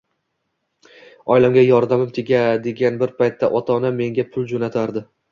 Oilamga yordamim tegadigan bir paytda ota-onam menga pul jo’natardi.